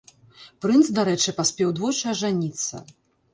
Прынц, дарэчы, паспеў двойчы ажаніцца.